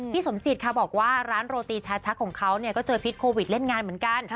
สมจิตค่ะบอกว่าร้านโรตีชาชักของเขาก็เจอพิษโควิดเล่นงานเหมือนกัน